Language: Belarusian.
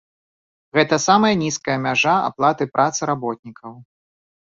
Гэта самая нізкая мяжа аплаты працы работнікаў.